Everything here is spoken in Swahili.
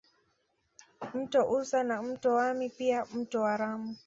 Mto Usa na mto Wami pia mto Waramu